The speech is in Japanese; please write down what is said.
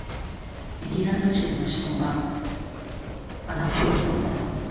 メリーランド州の州都はアナポリスである